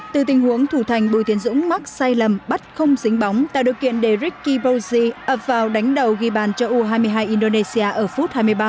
từ tình huống thủ thành bùi tiến dũng mắc sai lầm bắt không dính bóng tạo điều kiện để ricky brosey ập vào đánh đầu ghi bàn cho u hai mươi hai indonesia ở phút hai mươi ba